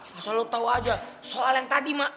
masa lo tau aja soal yang tadi mah